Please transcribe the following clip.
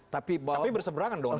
tapi berseberangan dong